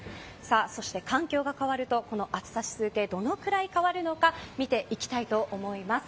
そして環境が変わると暑さ指数計がどのぐらい変わるのか見ていきたいと思います。